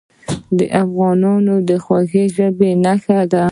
د افغانانو د خوږ ژبۍ نښه ده.